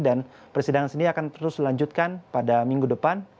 dan persidangan sendiri akan terus dilanjutkan pada minggu depan